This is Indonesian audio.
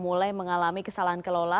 mulai mengalami kesalahan kelola